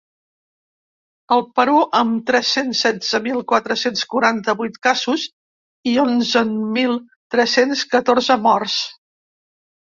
El Perú: amb tres-cents setze mil quatre-cents quaranta-vuit casos i onzen mil tres-cents catorze morts.